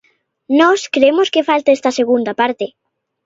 Nós cremos que falta esta segunda parte.